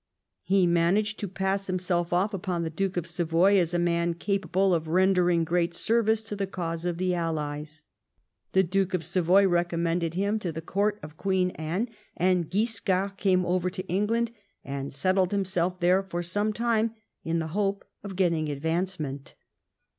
He managed to pass himself off upon the Duke of Savoy as a man capable of rendering great service to the cause of the allies. The Duke of Savoy recommended him to the court of Queen Anne, and Guiscard came over to England and settled himself there for some time in the hope of getting advance ment.